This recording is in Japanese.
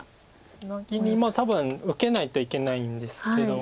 ツナギに多分受けないといけないんですけど。